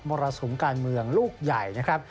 รสุมการเมืองลูกใหญ่นะครับ